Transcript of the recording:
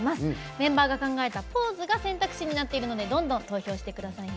メンバーが考えたポーズが選択肢になっているのでどんどん投票してくださいね。